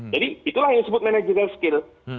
jadi itulah yang disebut managerial skill